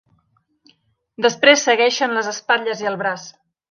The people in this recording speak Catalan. Després segueixen les espatlles i el braç.